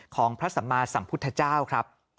ของพระสัมมาสัมพุทธเจ้าครับ